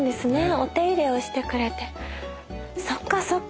お手入れをしてくれてそっかそっか。